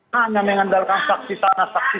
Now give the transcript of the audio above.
hanya mengandalkan saksi sana saksi